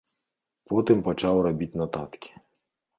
Потым пачаў рабіць нататкі.